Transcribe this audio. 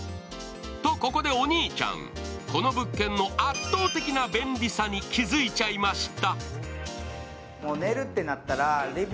と、ここでお兄ちゃん、この物件の圧倒的な便利さに気付いちゃいました。